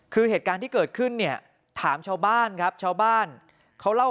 คือเหตุการณ์ที่เกิดขึ้นเนี่ยถามชาวบ้านครับชาวบ้านเขาเล่า